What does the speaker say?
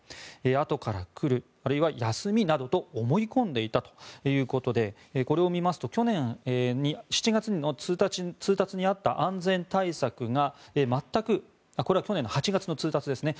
あとから来るあるいは休みなどと思い込んでいたということでこれを見ますと去年７月の通達にあったこれは去年８月の通達ですね